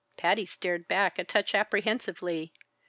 Patty stared back a touch apprehensively.